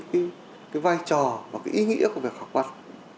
cái vai trò và cái ý nghĩa của việc học văn